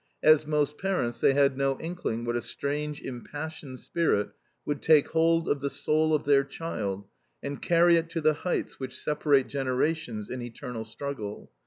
As most parents, they had no inkling what a strange, impassioned spirit would take hold of the soul of their child, and carry it to the heights which separate generations in eternal struggle.